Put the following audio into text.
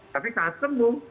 tapi saat sembuh